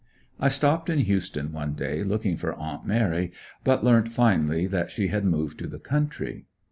I stopped in Houston one day looking for Aunt Mary, but learnt finally that she had moved to the country.